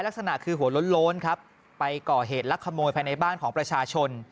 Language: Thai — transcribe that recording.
ลักษณะคือหัวโล้นครับไปก่อเหตุลักขโมยภายในบ้านของประชาชน